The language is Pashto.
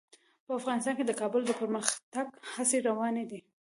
په افغانستان کې د کابل د پرمختګ هڅې روانې دي.